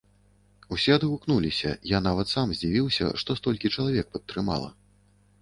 Усе адгукнуліся, я нават сам здзівіўся, што столькі чалавек падтрымала.